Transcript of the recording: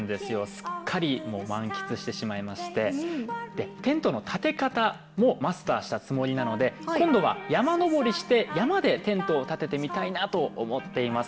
すっかりもう満喫してしまいましてでテントの立て方もマスターしたつもりなので今度は山登りして山でテントを立ててみたいなと思っています。